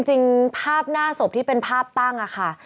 จริงภาพหน้าศพที่เป็นภาพตั้งค่ะ